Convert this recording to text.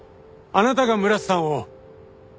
あなたが村瀬さんを！